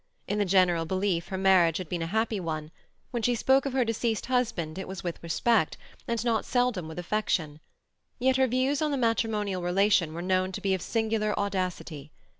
In the general belief her marriage had been a happy one; when she spoke of her deceased husband it was with respect, and not seldom with affection. Yet her views on the matrimonial relation were known to be of singular audacity.